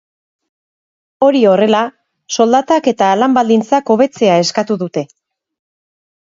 Hori horrela, soldatak eta lan baldintzak hobetzea eskatu dute.